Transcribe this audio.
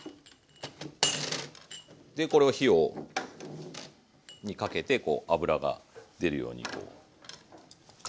でこれを火にかけてこう脂が出るように加熱していきます。